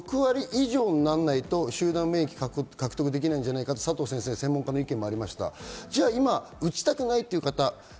６割以上にならないと集団免疫が獲得できないんじゃないかと佐藤先生の専門家の意見もありました。